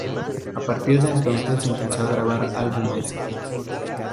A partir de entonces empezó a grabar álbumes.